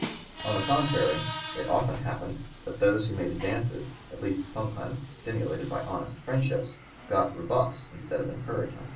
On the contrary it often happened that those who made advances, at least sometimes stimulated by honest friendship, got rebuffs instead of encouragement.